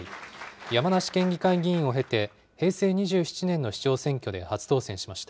山梨県議会議員を経て、平成２７年の市長選挙で初当選しました。